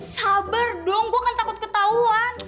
sabar dong gue kan takut ketahuan